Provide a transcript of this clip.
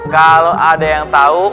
kalau ada yang tau